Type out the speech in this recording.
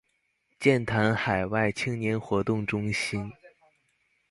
劍潭海外青年活動中心